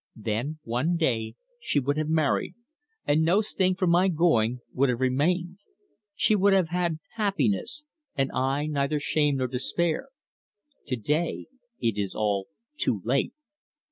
Then, one day she would have married, and no sting from my going would have remained. She would have had happiness, and I neither shame nor despair.... To day it is all too late.